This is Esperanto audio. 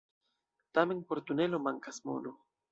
Tamen por tunelo mankas mono.